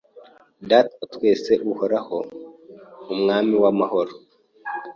Data wa twese Uhoraho, Umwami w’amahoro.